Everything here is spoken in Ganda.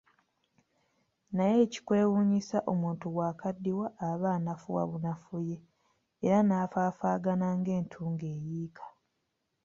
Naye ekyekwewuunyisa omuntu bwakaddiwa aba anafuwa bunafuyi, era nafaafaagana ng'entungo eyiika.